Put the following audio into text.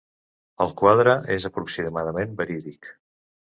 El quadre és aproximadament verídic.